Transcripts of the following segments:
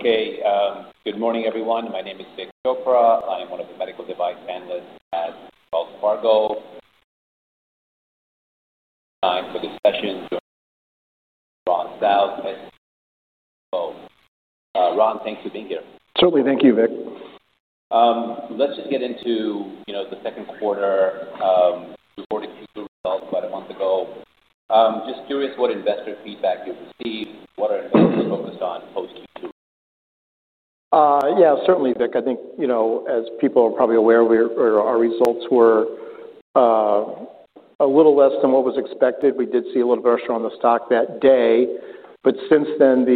Okay. Good morning, everyone. My name is Sid Chopra. I am one of the medical device analysts at Wells Fargo. I'm take the time for discussion the Ron, thanks for being here. Certainly. Thank you, Vic. Let's just get into the second quarter reported Q2 results about a month ago. Just curious what investor feedback you've received, what are investors focused on post Q2? Yes, certainly, Vic. I think as people are probably aware, our results were a little less than what was expected. We did see a little pressure on the stock that day. But since then,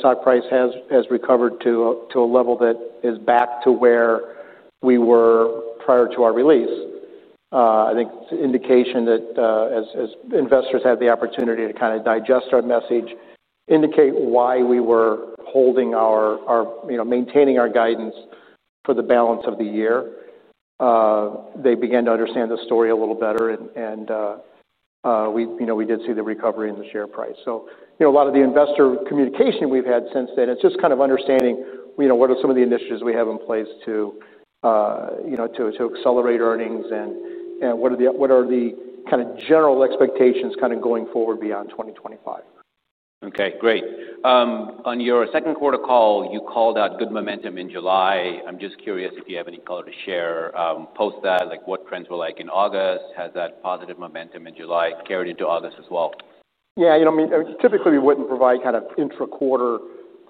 stock price has recovered to a level that is back to where we were prior to our release. I think it's an indication that as investors have the opportunity to kind of digest our message, indicate why we were holding our maintaining our guidance for the balance of the year. They began to understand the story a little better and we did see the recovery in the share price. So a lot of the investor communication we've had since then, it's just kind of understanding what are some of the initiatives we have in place to accelerate earnings and what are the kind of general expectations kind of going forward beyond 2025. Okay, great. On your second quarter call, you called out good momentum in July. I'm just curious if you have any color to share post that like what trends were like in August? Has that positive momentum in July carried into August as well? Yes, I mean typically we wouldn't provide kind of intra quarter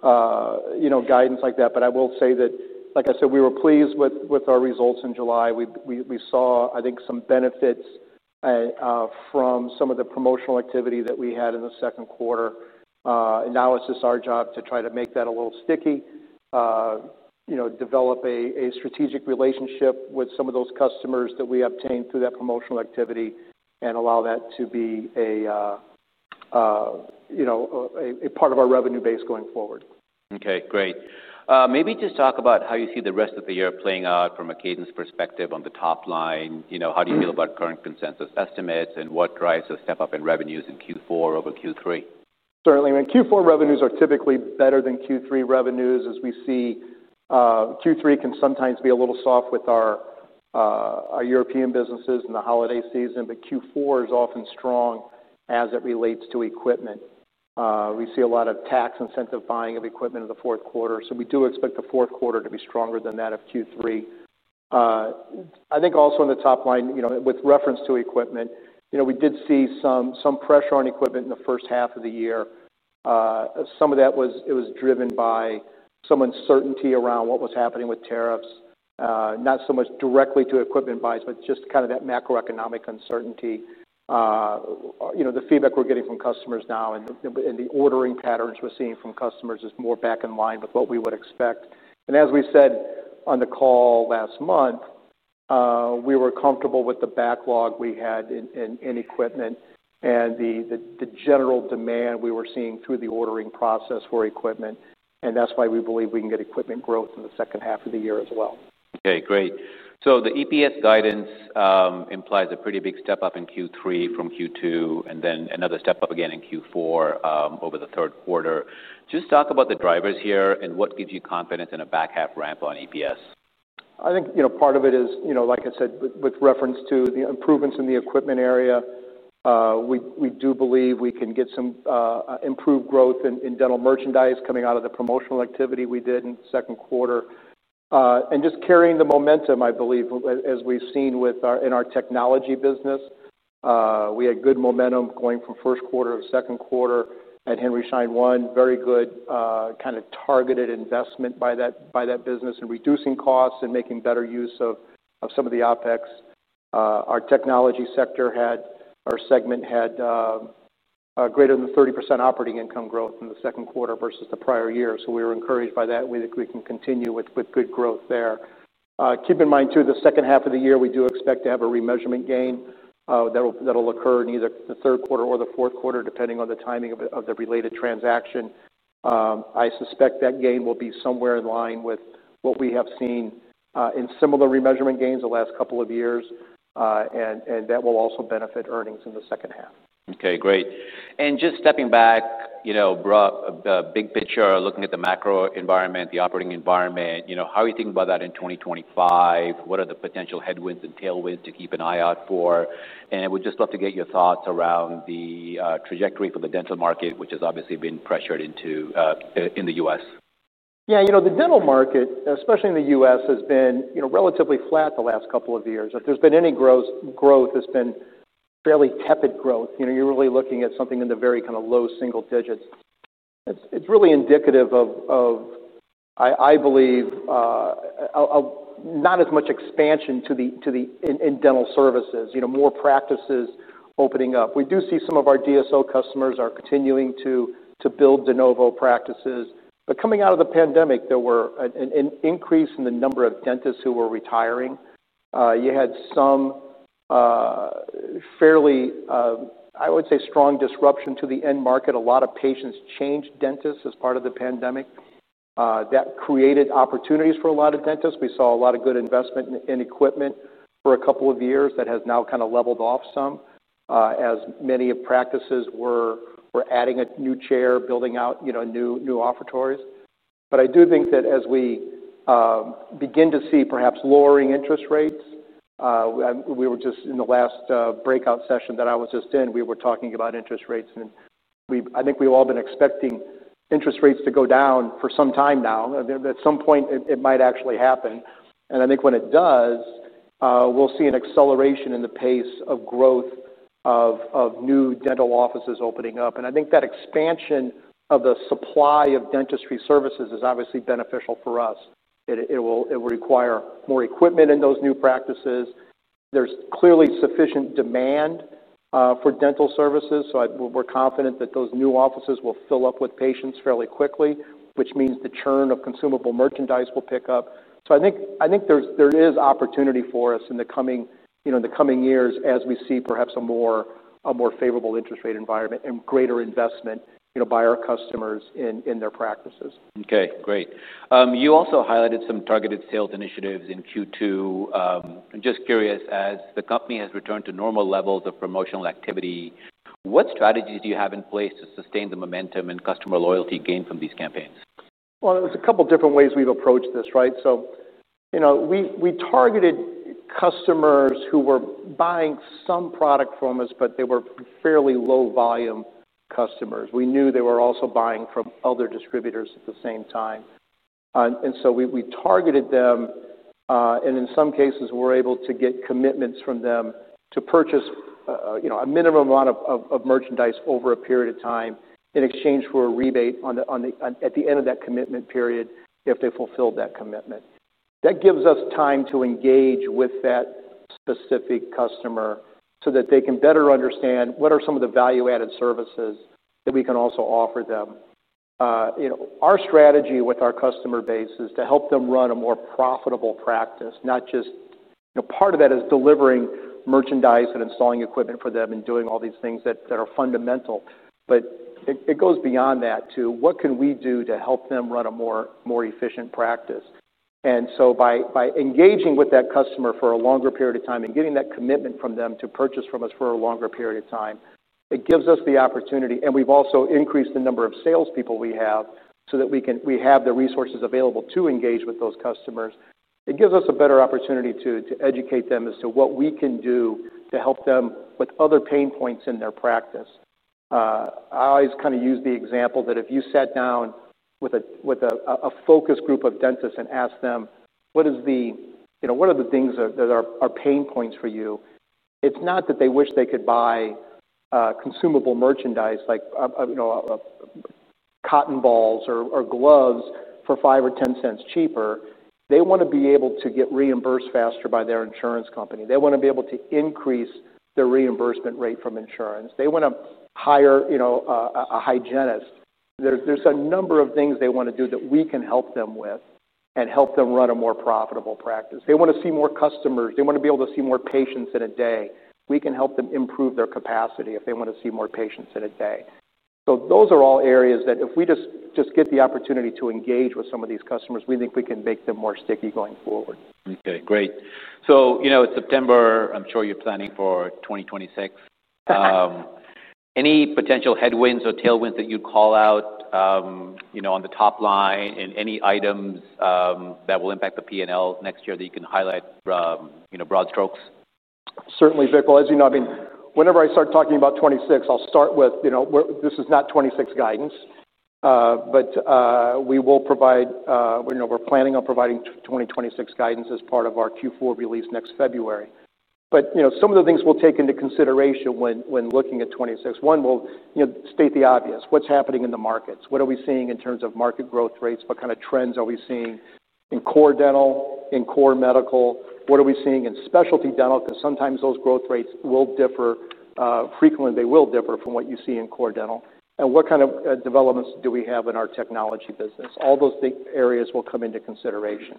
guidance like that. But I will say that like I said, we were pleased with our results in July. We saw I think some benefits from some of the promotional activity that we had in the second quarter. And now it's just our job to try to make that a little sticky, develop a strategic relationship with some of those customers that we obtained through that promotional activity and allow that to be a part of our revenue base going forward. Okay, great. Maybe just talk about how you see the rest of the year playing out from a cadence perspective on the top line? How do you feel about current consensus estimates and what drives the step up in revenues in Q4 over Q3? Certainly. Mean, Q4 revenues are typically better than Q3 revenues as we see Q3 can sometimes be a little soft with our European businesses in the holiday season, but Q4 is often strong as it relates to equipment. We see a lot of tax incentive buying of equipment in the fourth quarter. So we do expect the fourth quarter to be stronger than that of Q3. I think also on the top line with reference to equipment, we did see some pressure on equipment in the first half of the year. Some of that was it was driven by some uncertainty around what was happening with tariffs, not so much directly to equipment buys, but just kind of that macroeconomic uncertainty. The feedback we're getting from customers now and the ordering patterns we're seeing from customers is more back in line with what we would expect. And as we said on the call last month, we were comfortable with the backlog we had in equipment and the general demand we were seeing through the ordering process for equipment. And that's why we believe we can get equipment growth in the second half of the year as well. Okay, great. So the EPS guidance implies a pretty big step up in Q3 from Q2 and then another step up again in Q4 over the third quarter. Just talk about the drivers here and what gives you confidence in a back half ramp on EPS? I think part of it is, like I said, with reference to the improvements in the equipment area, we do believe we can get some improved growth in dental merchandise coming out of the promotional activity we did in the second quarter. And just carrying the momentum, I believe, as we've seen with our in our technology business, we had good momentum going from first quarter to second quarter at Henry Schein One, very good kind of targeted investment by that business and reducing costs and making better use of some of the OpEx. Our technology sector had our segment had greater than 30% operating income growth in the second quarter versus the prior year. So we're encouraged by that. We think we can continue with good growth there. Keep in mind too, the second half of the year, we do expect to have a remeasurement gain that will occur in either the third quarter or the fourth quarter depending on the timing of the related transaction. I suspect that gain will be somewhere in line with what we have seen in similar remeasurement gains the last couple of years and that will also benefit earnings in the second half. Okay, great. And just stepping back, big picture, looking at the macro environment, the operating environment, how are you thinking about that in 2025? What are the potential headwinds and tailwinds to keep an eye out for? And we'd just love to get your thoughts around the trajectory for the dental market, has obviously been pressured into in The U. S? Yes, the dental market, especially in The U. S. Has been relatively flat the last couple of years. If there's been any growth, it's been fairly tepid growth. You're really looking at something in the very kind of low single digits. It's really indicative of, I believe, not as much expansion to the in dental services, more practices opening up. We do see some of our DSO customers are continuing to build de novo practices. But coming out of the pandemic, there were an increase in the number of dentists who were retiring. You had some fairly, I would say, strong disruption to the end market. A lot of patients changed dentists as part of the pandemic. That created opportunities for a lot of dentists. We saw a lot of good investment in equipment for a couple of years that has now kind of leveled off some, as many practices were adding a new chair, building out new offeratories. But I do think that as we begin to see perhaps lowering interest rates, We were just in the last breakout session that I was just in, we were talking about interest rates. I think we've all been expecting interest rates to go down for some time now. At some point, it might actually happen. And I think when it does, we'll see an acceleration in the pace of growth of new dental offices opening up. And I think that expansion of the supply of dentistry services is obviously beneficial for us. It will require more equipment in those new practices. There's clearly sufficient demand for dental services. So we're confident that those new offices will fill up with patients fairly quickly, which means the churn of consumable merchandise will pick up. So I think there is opportunity for us in the coming years as we see perhaps a more favorable interest rate environment and greater investment by our customers in their practices. Okay, great. You also highlighted some targeted sales initiatives in Q2. I'm just curious as the company has returned to normal levels of promotional activity, what strategies do you have in place to sustain the momentum and customer loyalty gain from these campaigns? Well, there's a couple of different ways we've approached this, right? So we targeted customers who were buying some product from us, but they were fairly low volume customers. We knew they were also buying from other distributors at the same time. And so we targeted them and in some cases we're able to get commitments from them to purchase a minimum amount of merchandise over a period of time in exchange for a rebate at the end of that commitment period if they fulfilled that commitment. That gives us time to engage with that specific customer, so that they can better understand what are some of the value added services that we can also offer them. Our strategy with our customer base is to help them run a more profitable practice, not just part of that is delivering merchandise and installing equipment for them and doing all these things that are fundamental. But it goes beyond that to what can we do to help them run a more efficient practice. And so by engaging with that customer for a longer period of time and getting that commitment from them to purchase from us for a longer period of time, it gives us the opportunity and we've also increased the number of salespeople we have, so that we can we have the resources available to engage with those customers. It gives us a better opportunity to educate them as to what we can do to help them with other pain points in their practice. I always kind of use the example that if you sat down with a focus group of dentists and ask them, what is the what are the things that are pain points for you. It's not that they wish they could buy consumable merchandise like cotton balls or gloves for $05 or $0.10 cheaper. They want to be able to get reimbursed faster by their insurance company. They want to be able to increase the reimbursement rate from insurance. They want to hire a hygienist. There's a number of things they want to do that we can help them with and help them run a more profitable practice. They want to see more customers, they want to be able to see more patients in a day. We can help them improve their capacity if they want to see more patients in a day. So those are all areas that if we just get the opportunity to engage with some of customers, we think we can make them more sticky going forward. Okay, great. So, September, I'm sure you're planning for 2026. Any potential headwinds or tailwinds that you call out on the top line and any items that will impact the P and L next year that you can highlight broad strokes? Certainly, Vikram, as you know, mean, whenever I start talking about '26, I'll start with this is not '26 guidance, But we will provide we're planning on providing 2026 guidance as part of our Q4 release next February. But some of the things we'll take into consideration when looking at 2026. One, we'll state the obvious, what's happening in the markets? What are we seeing in terms of market growth rates? What kind of trends are we seeing in core dental, in core medical? What are we seeing in specialty dental? Because sometimes those growth rates will differ frequently, they will differ from what you see in core dental. And what kind of developments do we have in our technology business, all those big areas will come into consideration.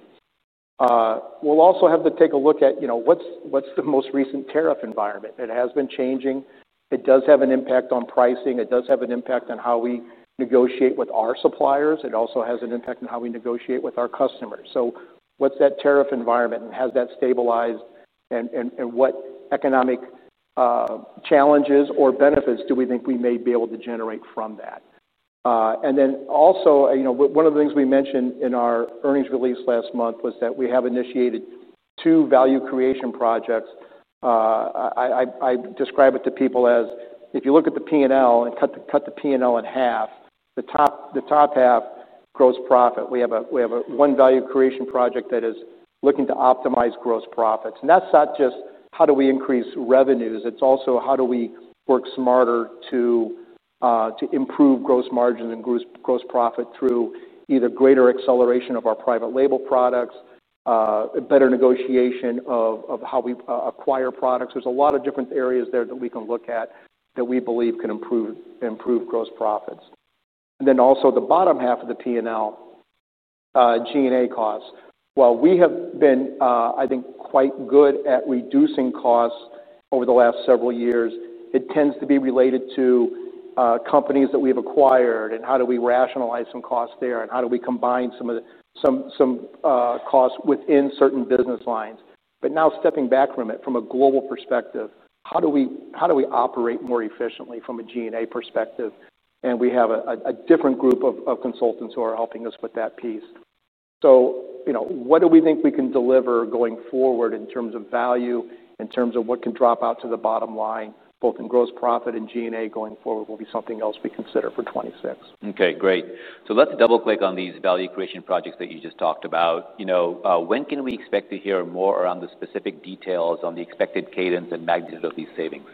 We'll also have to take a look at what's the most recent tariff environment. It has been changing. It does have an impact on pricing. It does have an impact on how we negotiate with our suppliers. It also has an impact on how we negotiate with our customers. So what's that tariff environment? And has that stabilized? And what economic challenges or benefits do we think we may be able to generate from that. And then also one of the things we mentioned in our earnings release last month was that we have initiated two value creation projects. I describe it to people as if you look at the P and L and cut the P and L in half, the top half gross profit, we have one value creation project that is looking to optimize gross profits. And that's not just how do we increase revenues, it's also how do we work smarter to improve gross margin and gross profit through either greater acceleration of our private label products, better negotiation of how we acquire products. There's a lot of different areas there that we can look at that we believe can improve gross profits. And then also the bottom half of the P and L, G and A costs. While we have been, I think, quite good at reducing costs over the last several years, it tends to be related to companies that we have acquired and how do we rationalize some costs there and how do we combine some of the costs within certain business lines. But now stepping back from it from a global perspective, how we operate more efficiently from a G and A perspective? And we have a different group of consultants who are helping us with that piece. So what do we think we can deliver going forward in terms of value, in terms of what can drop out to the bottom line, both in gross profit and G and A going forward will be something else we consider for 2026. Okay, great. So let's double click on these value creation projects that you just talked about. When can we expect to hear more around the specific details on the expected cadence and magnitude of these savings?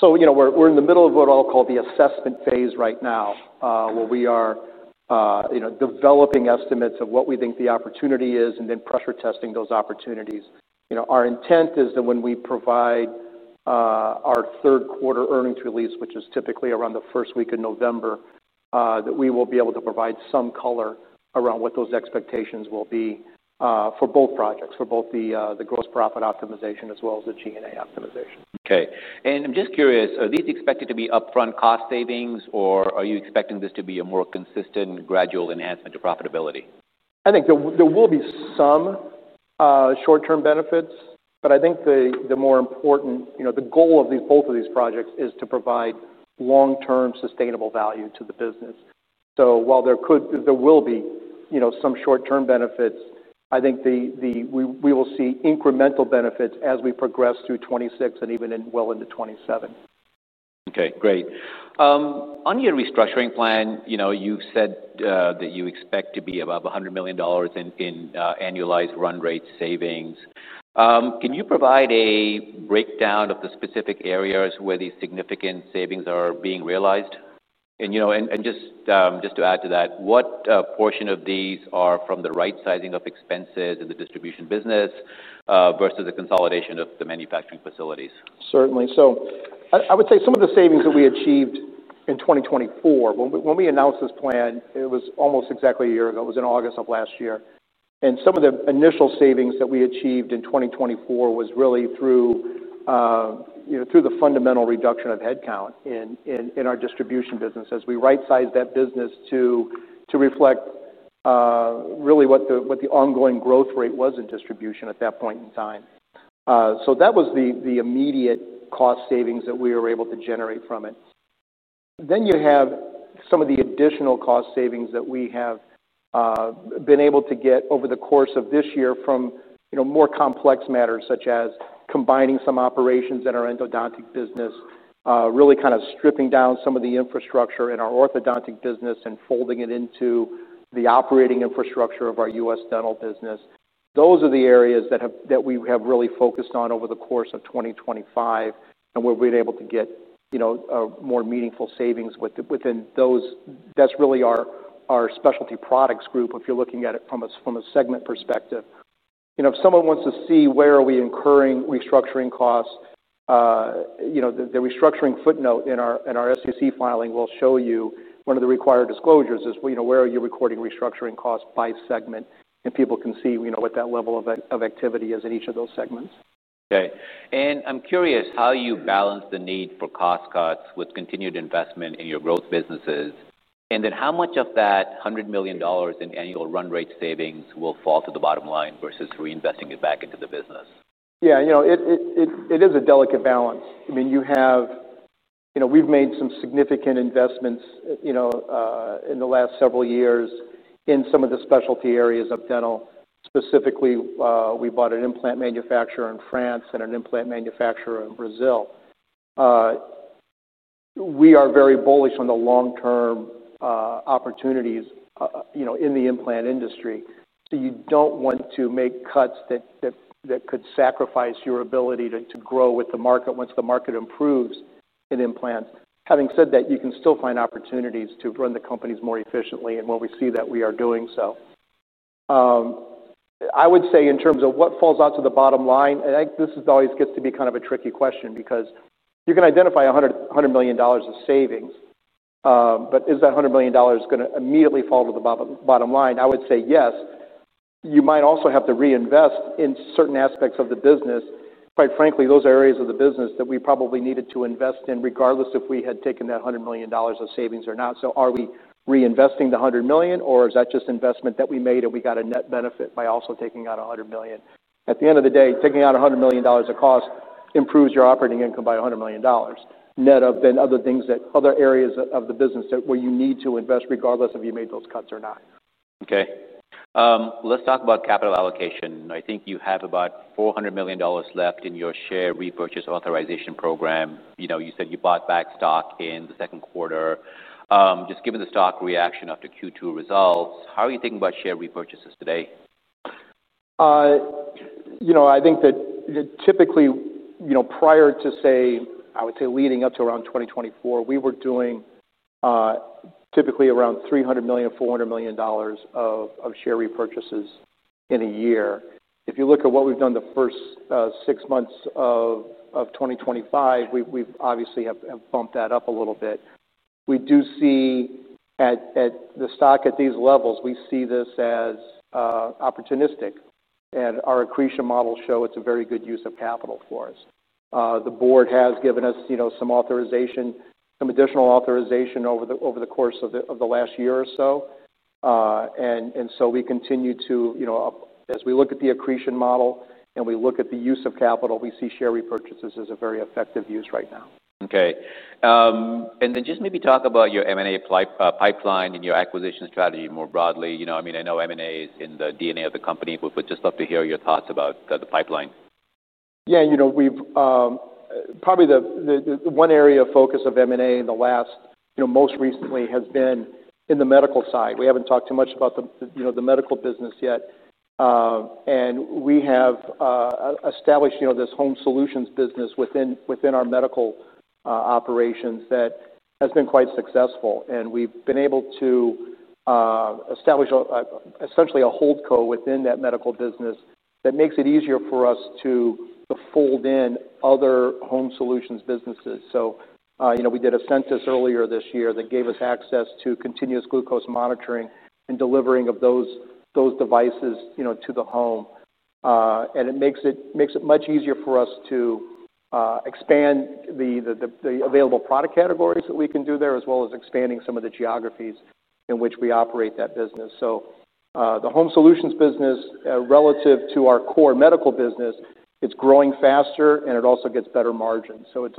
So we're in the middle of what I'll call the assessment phase right now, where we are developing estimates of what we think the opportunity is and then pressure testing those opportunities. Our intent is that when we provide our third quarter earnings release, which is typically around the November, that we will be able to provide some color around what those expectations will be for both projects, for both the gross profit optimization as well as the G and A optimization. Okay. And I'm just curious, are these expected to be upfront cost savings or are you expecting this to be a more consistent gradual enhancement to profitability? I think there will be some short term benefits. But I think the more important, the goal of these both of these projects is to provide long term sustainable value to the business. So while there could there will be some short term benefits, I think the we will see incremental benefits as we progress through 'twenty six and even well into 'twenty seven. Okay, great. On your restructuring plan, you've said that you expect to be above $100,000,000 in annualized run rate savings. Can you provide a breakdown of the specific areas where these significant savings are being realized? And just to add to that, what portion of these are from the rightsizing of expenses in the distribution business versus the consolidation of the manufacturing facilities? Certainly. So I would say some of the savings that we achieved in 2024, when we announced this plan, it was almost exactly a year ago, it was in August. And some of the initial savings that we achieved in 2024 was really through the fundamental reduction of headcount in our distribution business as we right size that business to reflect really what the ongoing growth rate was in distribution at that point in time. So that was the immediate cost savings that we were able to generate from it. Then you have some of the additional cost savings that we have been able to get over the course of this year from more complex matters such as combining some operations in our Endodontic business, really kind of stripping down some of the infrastructure in our Orthodontic business and folding it into the operating infrastructure of our U. S. Dental business. Those are the areas that we have really focused on over the course of 2025 and we've been able to get more meaningful savings within those. That's really our Specialty Products Group, if you're looking at it from a segment perspective. If someone wants to see where are we incurring restructuring costs, the restructuring footnote in SEC filing will show you one of the required disclosures as where are you recording restructuring costs by segment, and people can see what that level of activity is in each of those segments. Okay. And I'm curious how you balance the need for cost cuts with continued investment in your growth businesses? And then how much of that $100,000,000 in annual run rate savings will fall to the bottom line versus reinvesting it back into the business? Yes, it is a delicate balance. I mean, you have we've made some significant investments in the last several years in some of the specialty areas of dental. Specifically, we bought an implant manufacturer in France and an implant manufacturer in Brazil. We are very bullish on the long term opportunities in the implant industry. So you don't want to make cuts that could sacrifice your ability to grow with the market once the market improves in implants. Having said that, you can still find opportunities to run the companies more efficiently and what we see that we are doing so. I would say in terms of what falls out to the bottom line, and this is always gets to be kind of a tricky question because you can identify $100,000,000 of savings. But is that $100,000,000 going to immediately fall to the bottom line? I would say yes. You might also have to reinvest in certain aspects of the business. Quite frankly, areas of the business that we probably needed to invest in regardless if we had taken that $100,000,000 of savings or not. So are we reinvesting the $100,000,000 or is that just investment that we made and we got a net benefit by also taking out $100,000,000 At the end of the day, taking out $100,000,000 of cost improves your operating income by $100,000,000 net of then other things that other areas of the business that where you need to invest regardless of you made those cuts or not. Okay. Let's talk about capital allocation. I think you have about $400,000,000 left in your share repurchase authorization program. You said you bought back stock in the second quarter. Just given the stock reaction after Q2 results, how are you thinking about share repurchases today? I think that typically prior to say, I would say leading up to around 2024, we were doing typically around $300,000,000 $400,000,000 of share repurchases in a year. If you look at what we've done the first six months of 2025, we've obviously have bumped that up a little bit. We do see at the stock at these levels, we see this as opportunistic and our accretion model show it's a very good use of capital for us. The Board has given us some authorization, some additional authorization over the course of last year or so. And so we continue to as we look at the accretion model and we look at the use of capital, we see share repurchases as a very effective use right now. Okay. And then just maybe talk about your M and A pipeline and your acquisition strategy more broadly. I mean, I know M and A is in the DNA of the company, just love to hear your thoughts about the pipeline. Yes, we've probably the one area of focus of M and A in the last most recently has been in the medical side. We haven't talked too much about the medical business yet. And we have established this home solutions business within our medical operations that has been quite successful. And we've been able to establish essentially a holdco within that medical business that makes it easier for us to fold in other home solutions businesses. So we did a census earlier this year that gave us access to continuous glucose monitoring and delivering of those devices to the home. And it makes it much easier for us to expand the available product categories that we can do there as well as expanding some of the geographies in which we operate that business. So the Home Solutions business relative to our core medical business, it's growing faster and it also gets better margins. So it's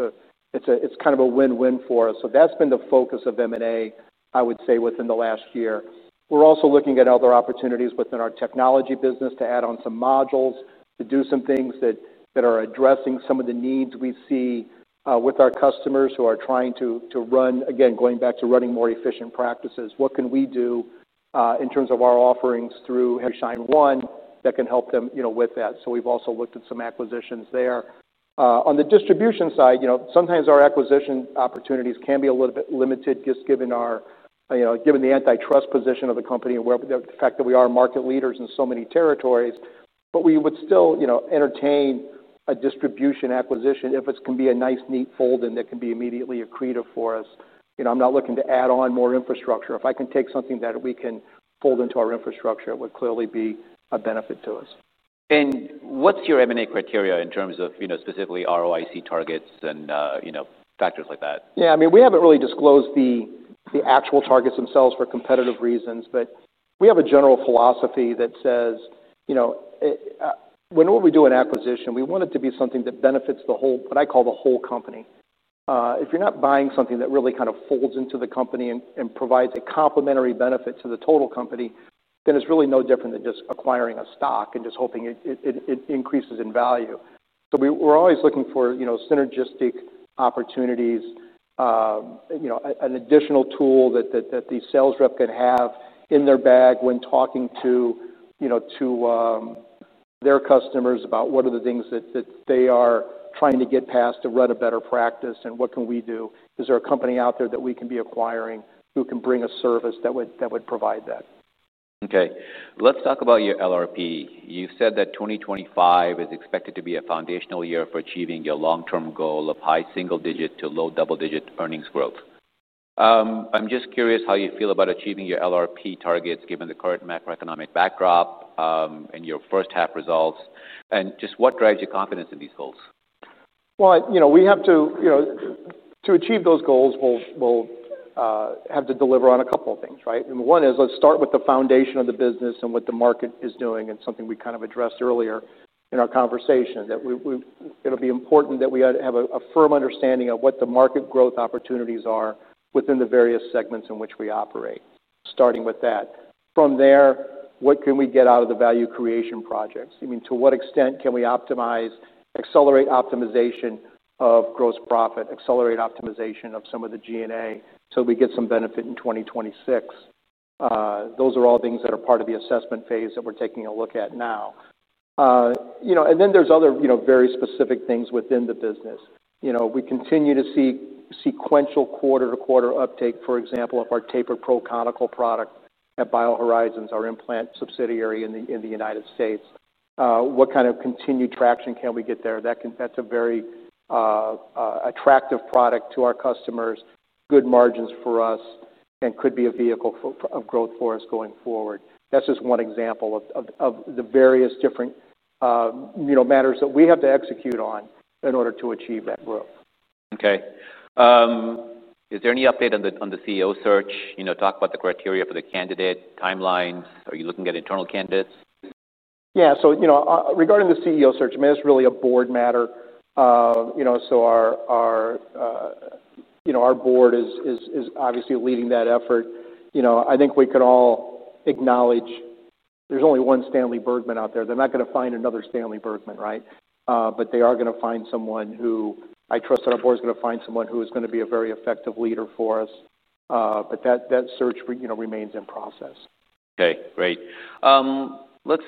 kind of a win win for us. So that's been the focus of M and A, I would say within the last year. We're also looking at other opportunities within our technology business to add on some modules, to do some things that are addressing some of the needs we see with our customers who are trying to run again, going back to running more efficient practices. What can we do in terms of our offerings through Henry Schein One that can help them with that. So we've also looked at some acquisitions there. On the distribution side, sometimes our acquisition opportunities can be a little bit limited just given the antitrust position of the company and the fact that we are market leaders in so many territories. But we would still entertain a distribution acquisition if it's going be a nice neat fold and that can be immediately accretive for us. I'm not looking to add on more infrastructure. If I can take something that we can fold into our infrastructure, it would clearly be a benefit to us. And what's your M and A criteria in terms of specifically ROIC targets and factors like that? Yes, I mean, haven't really disclosed the actual targets themselves for competitive reasons. But we have a general philosophy that says, when we do an acquisition, we want it to be something that benefits the whole what I call the whole company. If you're not buying something that really kind of folds into the company and provides a complementary benefit to the total company, then it's really no different than just acquiring a stock and just hoping it increases in value. So we're always looking for synergistic opportunities, an additional tool that the sales rep could have in their bag when talking to their customers about what are the things that they are trying to get past to run a better practice and what can we do. Is there a company out there that we can be acquiring who can bring a service that would provide that? Okay. Let's talk about your LRP. You said that 2025 is expected to be a foundational year for achieving your long term goal of high single digit to low double digit earnings growth. I'm just curious how you feel about achieving your LRP targets given the current macroeconomic backdrop and your first half results and just what drives your confidence in these goals? Well, we have to achieve those goals we'll have to deliver on a couple of things, right. And one is let's start with the foundation of the business and what the market is doing and something we kind of addressed earlier in our conversation that we it will be important that we have a firm understanding of what the market growth opportunities are within the various segments in which we operate, starting with that. From there, what can we get out of the value creation projects? I mean, to what extent can we optimize accelerate optimization of gross profit, accelerate optimization of some of the G and A, so we get some benefit in 2026. Those are all things that are part of the assessment phase that we're taking a look at now. And then there's other very specific things within the business. We continue to see sequential quarter to quarter uptake, for example, of our TAPR PRO conical product at BioHorizons, our implant subsidiary in United States. What kind of continued traction can we get there that's a very attractive product to our customers, good margins for us and could be a vehicle of growth for us going forward. That's just one example of the various different matters that we have to execute on in order to achieve that growth. Okay. Is there any update on the CEO search, talk about the criteria for the candidate timelines? Are you looking at internal candidates? Yes. So regarding the CEO search, mean, it's really a board matter. So our board is obviously leading that effort. I think we could all acknowledge there's only one Stanley Bergman out there. They're not going to find another Stanley Bergman, right. But they are going to find someone who I trust our Board is going to find someone who is going to be a very effective leader for us. But that search remains in process. Okay, great. Let's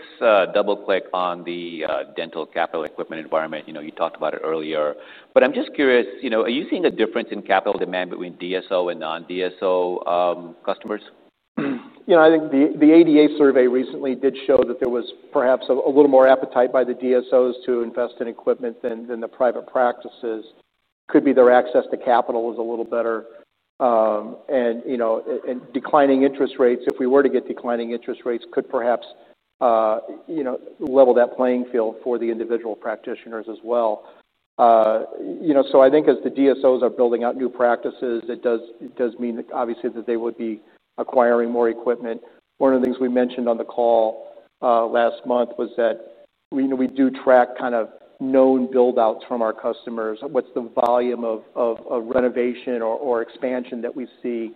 double click on the dental capital equipment environment. You talked about it earlier, but I'm just curious, are you seeing a difference in capital demand between DSO and non DSO customers? I think the ADA survey recently did show that there was perhaps a little more appetite by the DSOs to invest in equipment than the private practices, could be their access to capital is a little better. And declining interest rates, if we were to get declining interest rates could perhaps level that playing field for the individual practitioners as well. So I think as the DSOs are building out new practices, it does mean obviously that they would be acquiring more equipment. One of the things we mentioned on the call last month was that we do track kind of known build outs from our customers, what's the volume of renovation or expansion that we see.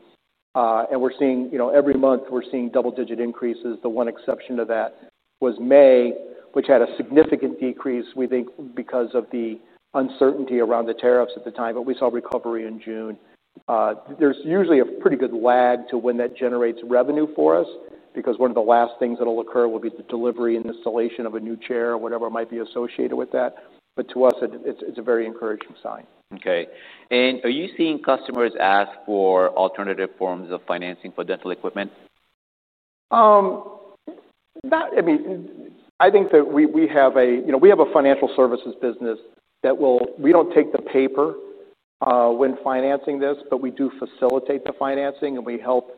And we're seeing every month, we're seeing double digit increases. The one exception to that was May, which had a significant decrease, we think, because of the uncertainty around the tariffs at the time, but we saw recovery in June. There's usually a pretty good lag to when that generates revenue for us, because one of the last things that will occur will be the delivery and installation of a new chair or whatever might be associated with that. But to us, it's a very encouraging sign. Okay. And are you seeing customers ask for alternative forms of financing for dental equipment? I I think that we have a financial services business that will we don't take the paper when financing this, but we do facilitate the financing and we help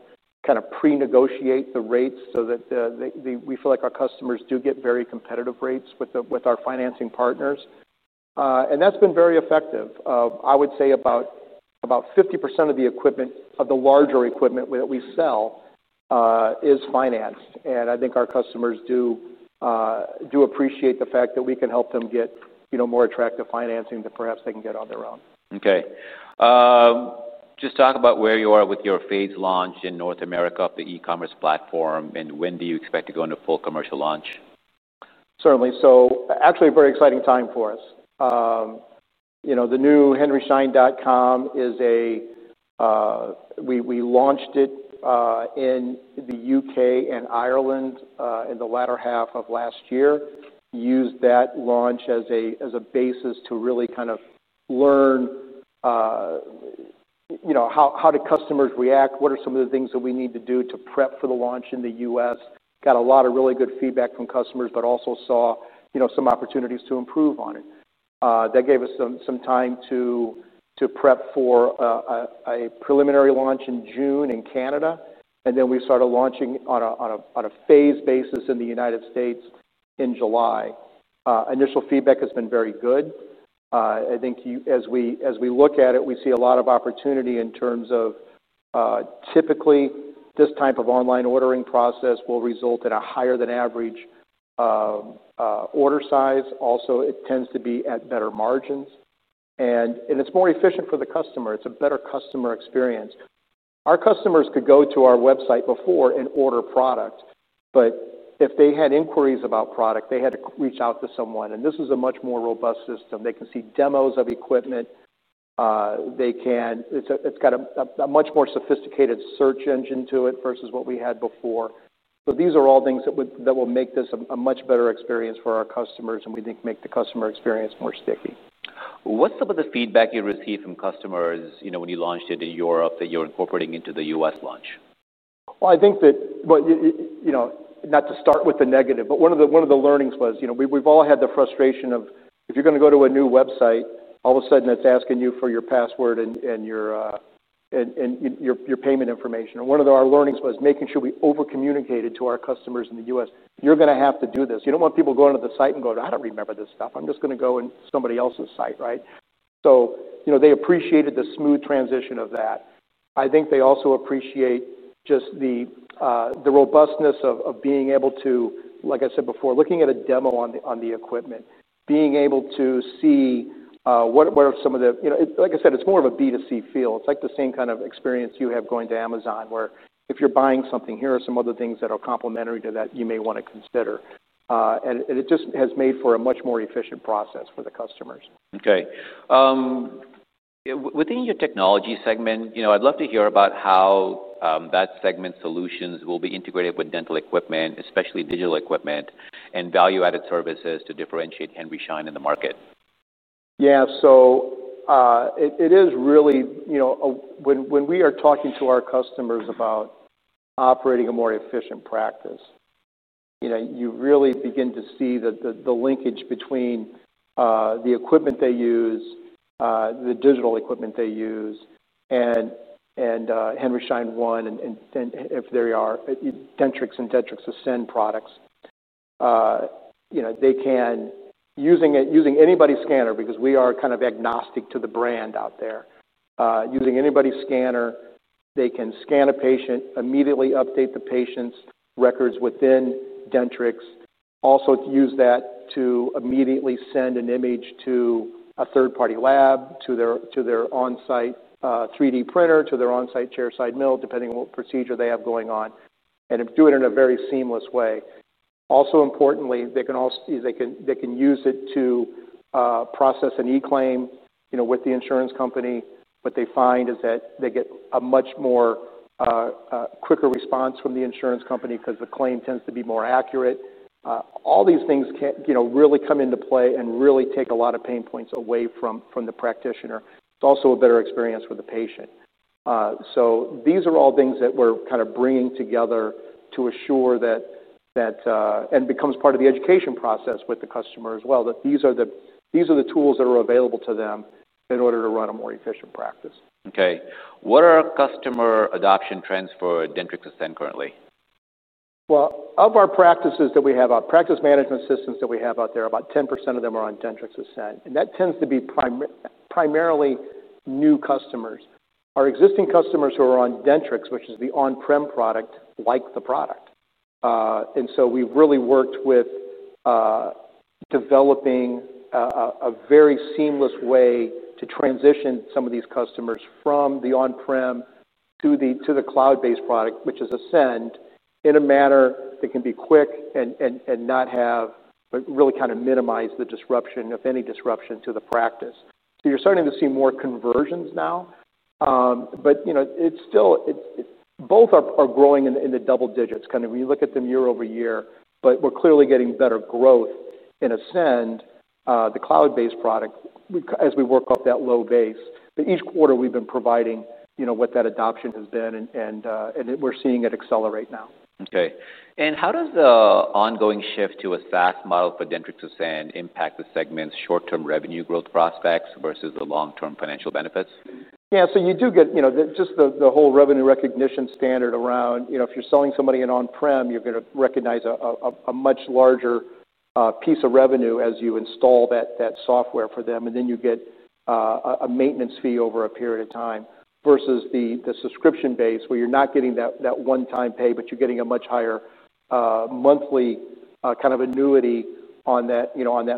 kind of pre negotiate the rates so that we feel like our customers do get very competitive rates with our financing partners. And that's been very effective. I would say about 50% of the equipment of the larger equipment that we sell is financed. And I think our customers do appreciate the fact that we can help them get more attractive financing that perhaps they can get on their own. Okay. Just talk about where you are with your phase launch in North America of the e commerce platform and when do you expect to go into full commercial launch? Certainly. So actually a very exciting time for us. The new henryschein.com is a we launched it in The UK and Ireland in the latter half of last year, used that launch as a basis to really kind of learn how do customers react, what are some of the things that we need to do to prep for the launch in The U. S, got a lot of really good feedback from customers, but also saw some opportunities to improve on it. That gave us some time to prep for a preliminary launch in June in Canada. And then we started launching on a phased basis in The United States in July. Initial feedback has been very good. I think as we look at it, we see a lot of opportunity in terms of typically this type of online ordering process will result in a higher than average order size. Also, it tends to be at better margins. And it's more efficient for the customer. It's a better customer experience. Our customers could go to our website before and order product, but if they had inquiries about product, they had to reach out to someone and this is a much more robust system. They can see demos of equipment. They can it's got a much more sophisticated search engine to it versus what we had before. So these are all things that will make this a much better experience for our customers and we think make the customer experience more sticky. What's some of the feedback you received from customers when you launched it in Europe that you're incorporating into The U. S. Launch? Well, I think that not to start with the negative, but one of the learnings was, we've all had the frustration of if you're going to go to a new website, all of sudden it's asking you for your password and your payment information. And one of our learnings was making sure we over communicated to our customers in The U. S. You're going to have to do this. You don't want people going to the site and go to I don't remember this stuff. I'm just going to go in somebody else's site, right. So they appreciated the smooth transition of that. I think they also appreciate just the robustness of being able to, like I said before, looking at a demo on the equipment, being able to see what are some of the like I said, it's more of a B2C feel. It's like the same kind of experience you have going to Amazon, where if you're buying something, here are some other things that are complementary to that you may want to consider. And it just has made for a much more efficient process for the customers. Okay. Within your technology segment, I'd love to hear about how that segment solutions will be integrated with dental equipment, especially digital equipment and value added services to differentiate Henry Schein in the market? Yes. So it is really when we are talking to our customers about operating a more efficient practice, really begin to see the linkage between the equipment they use, the digital equipment they use and Henry Schein One and if they are, Dentrix and Dentrix Ascend products, you know, they can using anybody scanner because we are kind of agnostic to the brand out there. Using anybody scanner, they can scan a patient, immediately update the patient's records within Dentrix, also to use that to immediately send an image to a third party lab, to their on-site three d printer, to their on-site chairside mill, depending on what procedure they have going on, and do it in a very seamless way. Also importantly, they can use it to process an e claim with the insurance company. What they find is that they get a much more quicker response from the insurance company because the claim tends to be more accurate. All these things really come into play and really take a lot of pain points away from the practitioner. It's also a better experience with the patient. So these are all things that we're kind of bringing together to assure that and becomes part of the education process with the customer as well that these are the tools that are available to them in order to run a more efficient practice. Okay. What are customer adoption trends for DENTRIXESSEN currently? Well, of our practices that we have our practice management systems that we have out there about 10% of them are on Dentrix Ascend and that tends to be primarily new customers. Our existing customers who are on Dentrix, which is the on prem product like the product. And so we've really worked with developing a very seamless way to transition some of these customers from the on prem to the cloud based product, which is Ascend in a manner that can be quick and not have really kind of minimize the disruption, if any disruption to the practice. So you're starting to see more conversions now. But it's still both are growing in the double digits, kind of when you look at them year over year, but we're clearly getting better growth in Ascend, the cloud based product as we work up that low base. But each quarter, we've been providing what that adoption has been and we're seeing it accelerate now. Okay. And how does the ongoing shift to a SaaS model for DENTRIX SUSAN impact the segment's short term revenue growth prospects versus the long term financial benefits? Yes, so you do get just the whole revenue recognition standard around if you're selling somebody in on prem, you're going to recognize a much larger piece of revenue as you install that software for them and then you get a maintenance fee over a period of time versus the subscription base where you're not getting that one time pay, but you're getting a much higher monthly kind of annuity on that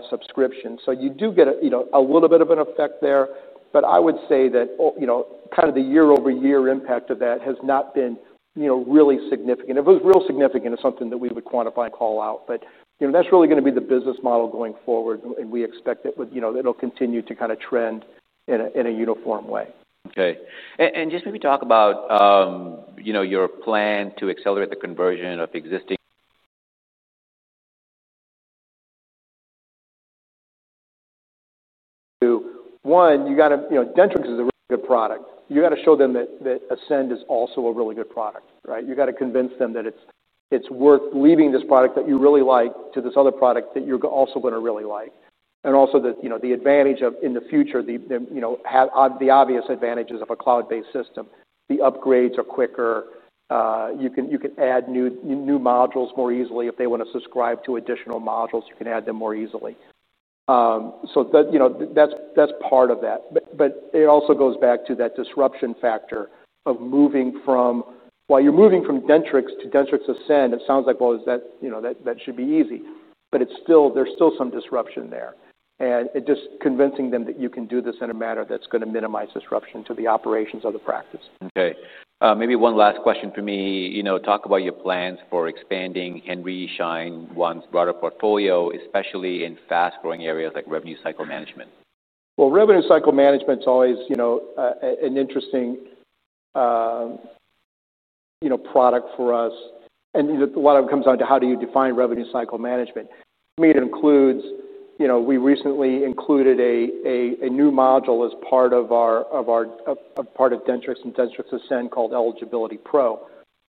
subscription. So you do get a little bit of an effect there. But I would say that kind of the year over year impact of that has not been really significant. It was real significant, it's something that we would quantify and call out. But that's really going to be the business model going forward. And we expect it will continue to kind of trend in a uniform way. Okay. And just maybe talk about your plan to accelerate the conversion of existing One, you got to Dentrix is a good product. You got to show them that Ascend is also a really good product, right. You got to convince them that it's worth leaving this product that you really like to this other product that you're also going to really like. And also that you know, the advantage of in the future, know, have the obvious advantages of a cloud based system, the upgrades are quicker, you add new modules more easily if they want to subscribe to additional modules, you can add them more easily. So that's part of that. But it also goes back to that disruption factor of moving from while you're moving from Dentrix to Dentrix Ascend, it sounds like well, is that that should be easy. But it's still there's still some disruption there. And it just convincing them that you can do this in a manner that's going to minimize disruption to the operations of the practice. Okay. Maybe one last question for me. Talk about your plans for expanding Henry Schein One's broader portfolio, especially in fast growing areas management? Well, revenue cycle management is always an interesting product for us. And a lot of it comes on to how do you define revenue cycle management. I mean, it includes we recently included a new module as part of part of Dentrix and Dentrix Ascend called Eligibility Pro,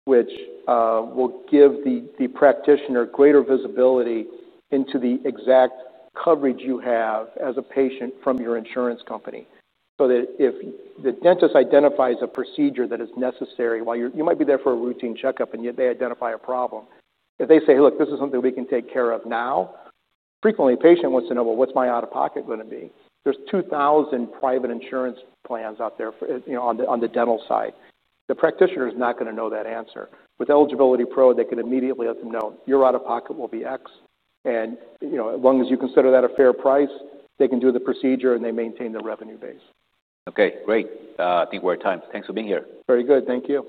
which will give the practitioner greater visibility into the exact coverage you have as a patient from your insurance company. So that if the dentist identifies a procedure that is necessary, while you might be there for a routine checkup and yet they identify a problem. If they say, look, this is something we can take care of now. Frequently patient wants to know what's my out of pocket going to be. There's 2,000 private insurance plans out there on dental side. The practitioner is not going to know that answer. With Eligibility Pro, they could immediately let them know, your out of pocket will be X. And as long as you consider that a fair price, they can do the procedure and they maintain the revenue base. Okay, great. Think we're out time. Thanks for being here. Very good. Thank you.